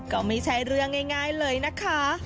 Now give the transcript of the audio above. ก็ไม่ใช่เรื่องง่ายเลยนะคะ